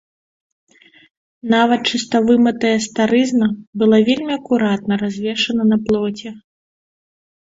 Нават чыста вымытая старызна была вельмі акуратна развешана на плоце.